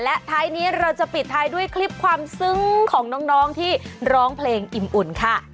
และท้ายนี้เราจะปิดท้ายด้วยคลิปความซึ้งของน้องที่ร้องเพลงอิ่มอุ่นค่ะ